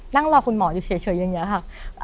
นั่งรอคุณหมออยู่เฉยอย่างนี้ค่ะ